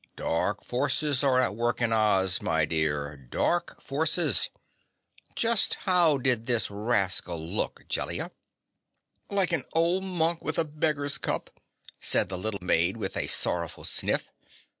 "Dark forces are at work in Oz, my dear, dark forces. Just how did this rascal look, Jellia?" "Like an old monk with a beggar's cup," said the little maid with a sorrowful sniff.